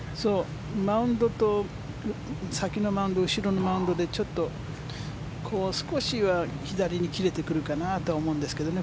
マウンドと先のマウンド後ろのマウンドで少しは左に切れてくると思うんですけどね